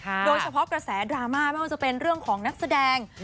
โดยเฉพาะกระแสดราม่าไม่ว่าจะเป็นเรื่องของนักแสดง